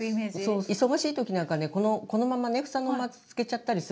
忙しい時なんかねこのままね房のまま漬けちゃったりするんですけれどもね。